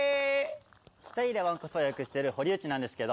２人でわんこそば予約している堀内なんですけど。